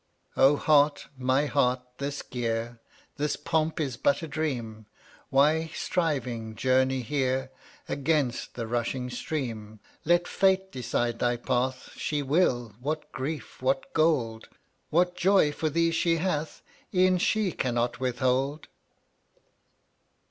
159 Oh, heart, my heart, this gear, This pomp, is but a dream; Why, striving, journey here Against the rushing stream? Let Fate decide thy path — She will. What grief, what gold, What joy for thee she hath, E'en she cannot withhold.